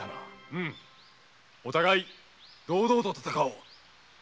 うむお互い堂々と闘おう。